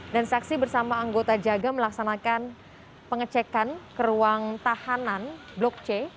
dan saksi bersama anggota jaga melaksanakan pengecekan ke ruang tahanan blok c